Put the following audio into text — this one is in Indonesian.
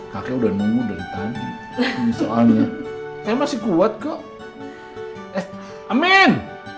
soalnya emang sih kuat kok amin